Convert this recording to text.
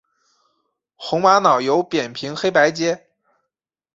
红玛瑙有扁平黑白阶。